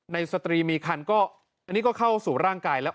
สตรีมีคันก็อันนี้ก็เข้าสู่ร่างกายแล้ว